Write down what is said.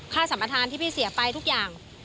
ค่าสัมภาษณ์ที่พี่เสียไปทุกอย่าง